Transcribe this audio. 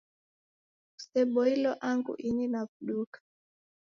Kuseboilo angu ini naw'uduka